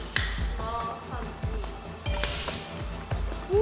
お！